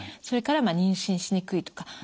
それから妊娠しにくいとか。